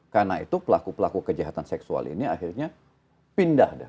karena itu pelaku pelaku kejahatan seksual ini akhirnya pindah dah